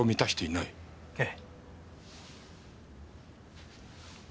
ええ。